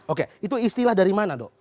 oke itu istilah dari mana dok